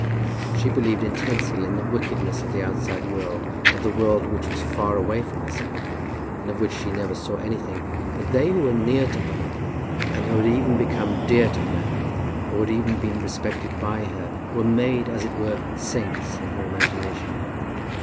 She believed intensely in the wickedness of the outside world, of the world which was far away from herself, and of which she never saw anything; but they who were near to her, and who had even become dear to her, or who even had been respected by her, were made, as it were, saints in her imagination.